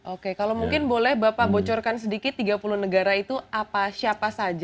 oke kalau mungkin boleh bapak bocorkan sedikit tiga puluh negara itu apa siapa saja